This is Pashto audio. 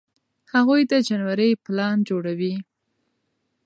هغوی د جنورۍ پلان جوړوي.